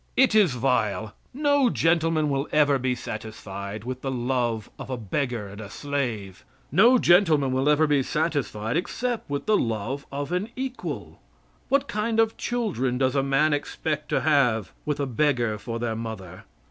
It is vile. No gentleman will ever be satisfied with the love of a beggar and a slave no gentleman will ever be satisfied except with the love of an equal. What kind of children does a man expect to have with a beggar for their mother?